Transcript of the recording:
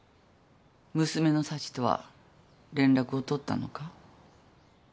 娘の幸とは連絡を取ったのか？